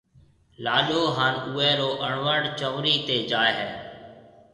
لاڏو ھان اوئيَ رو اروڻ چنورِي تيَ جائيَ ھيََََ